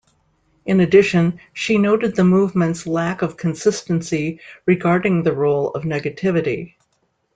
In addition, she noted the movement's lack of consistency regarding the role of negativity.